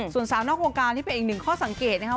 ส่วนสาวนอกวงการที่เป็นอีกหนึ่งข้อสังเกตนะครับ